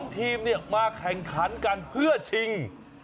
ทีมมาแข่งขันกันเพื่อชิง